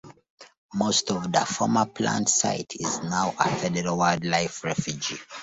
Most of the former plant site is now a federal wildlife refuge.